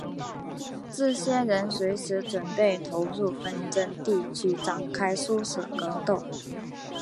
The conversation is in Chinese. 这些人随时准备投入纷争地区展开殊死格斗。